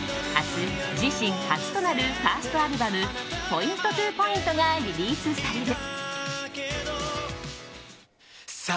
明日、自身初となるファーストアルバム「ＰＯＩＮＴＴＯＰＯＩＮＴ」がリリースされる。